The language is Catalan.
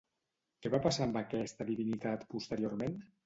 Què va passar amb aquesta divinitat posteriorment?